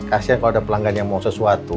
kasian kalau ada pelanggan yang mau sesuatu